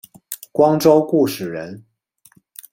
光州固始人。